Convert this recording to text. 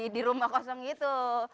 di rumah kosong gitu